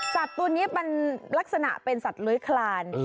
สัตว์ตัวนี้มันลักษณะเป็นสัตว์เลื้อยคลาน